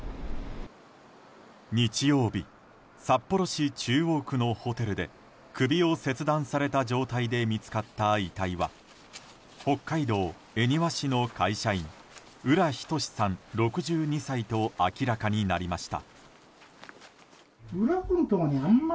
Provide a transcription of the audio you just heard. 日曜日札幌市中央区のホテルで首を切断された状態で見つかった遺体は北海道恵庭市の会社員浦仁志さん、６２歳と明らかになりました。